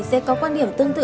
sẽ có quan điểm tương tự